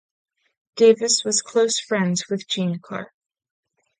Davis was close friends with Gene Clark.